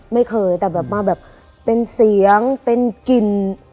ไม่เคยแต่แบบมาแบบเป็นเสียงเป็นกลิ่น